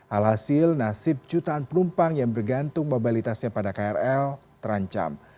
alhasil nasib jutaan penumpang yang bergantung mobilitasnya pada krl terancam